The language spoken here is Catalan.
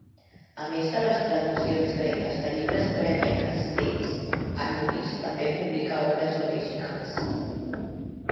A més de les traduccions gregues de llibres prèviament escrits, Anubis també publica obres originals.